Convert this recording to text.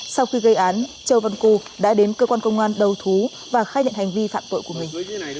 sau khi gây án châu văn cư đã đến cơ quan công an đầu thú và khai nhận hành vi phạm tội của mình